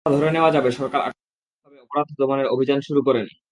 অথবা ধরে নেওয়া যাবে, সরকার আকস্মিকভাবে অপরাধ দমনের অভিযান শুরু করেনি।